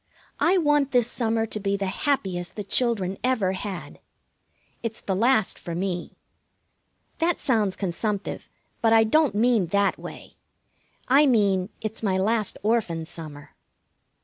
I want this summer to be the happiest the children ever had. It's the last for me. That sounds consumptive, but I don't mean that way. I mean it's my last Orphan summer.